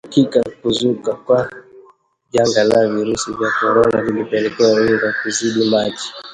Hakika kuzuka kwa janga la virusi vya korona ilipelekea unga kuzidi maji